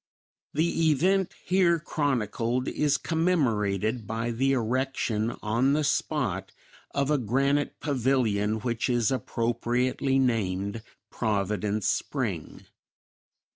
The event here chronicled is commemorated by the erection on the spot of a granite pavilion which is appropriately named "Providence Spring."